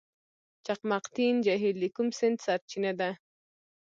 چقمقتین جهیل د کوم سیند سرچینه ده؟